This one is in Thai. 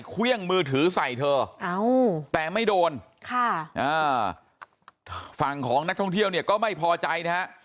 เครื่องมือถือใส่เธอแต่ไม่โดนค่ะอ่าฝั่งของนักท่องเที่ยวเนี่ยก็ไม่พอใจนะฮะ